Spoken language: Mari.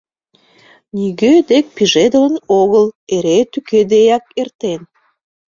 Нигӧ дек пижедылын огыл, эре тӱкыдеак эртен.